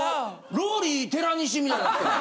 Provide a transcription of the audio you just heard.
ローリー寺西みたいになってるやん。